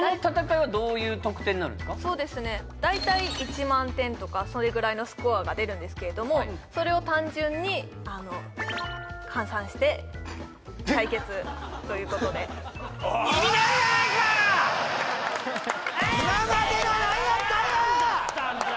そうですね大体１万点とかそれぐらいのスコアが出るんですけれどもそれを単純にあの換算して対決ということでおいっ！